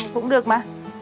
cũng được mà